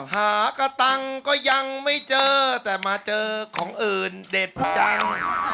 หากระตังก็ยังไม่เจอแต่มาเจอของอื่นเด็ดจัง